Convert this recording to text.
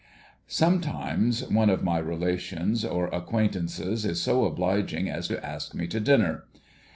Sometimes, one of my relations or acquaintances is so obliging as to ask me to dinner.